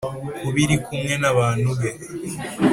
kuba iri kumwe n aba bantu be